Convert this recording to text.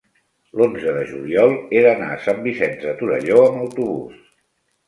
l'onze de juliol he d'anar a Sant Vicenç de Torelló amb autobús.